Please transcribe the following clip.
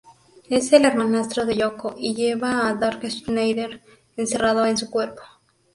Es el hermanastro de Yoko y lleva a Dark Schneider encerrado en su cuerpo.